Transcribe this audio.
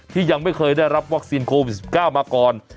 ยังไม่เคยได้รับวัคซีนโควิด๑๙มาก่อน